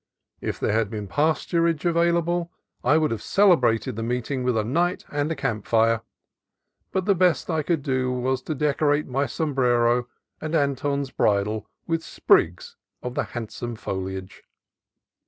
If there had been pasturage available I would have celebrated the meeting with a night and a camp fire, but the best I could do was to decorate my sombrero and Anton's bridle with sprigs of the handsome foliage.